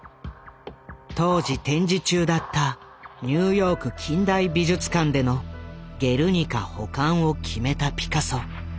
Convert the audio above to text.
当時展示中だったニューヨーク近代美術館での「ゲルニカ」保管を決めたピカソ。